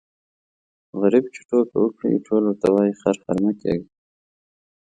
غريب چي ټوکه وکړي ټول ورته وايي خر خر مه کېږه.